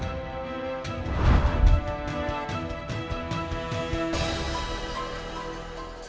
โปรดติดตามตอนต่อไป